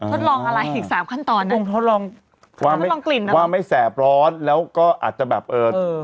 ทดลองอะไรอีกสามขั้นตอนน่ะทดลองกลิ่นว่าไม่แสบร้อนแล้วก็อาจจะแบบเออ